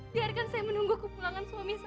biarkan saya menunggu ke pulangan suami saya bu